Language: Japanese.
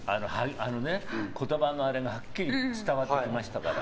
言葉がはっきり伝わってきましたから。